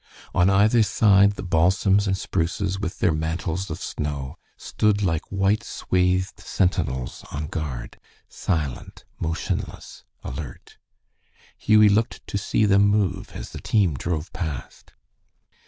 On either side the balsams and spruces, with their mantles of snow, stood like white swathed sentinels on guard silent, motionless, alert. Hughie looked to see them move as the team drove past.